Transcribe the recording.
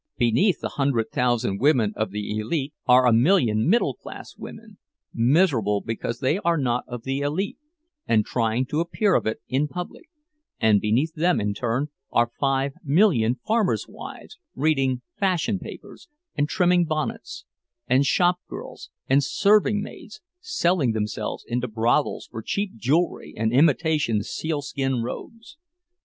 Beneath the hundred thousand women of the elite are a million middle class women, miserable because they are not of the elite, and trying to appear of it in public; and beneath them, in turn, are five million farmers' wives reading 'fashion papers' and trimming bonnets, and shop girls and serving maids selling themselves into brothels for cheap jewelry and imitation seal skin robes.